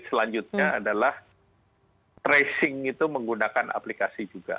dan selanjutnya adalah tracing itu menggunakan aplikasi juga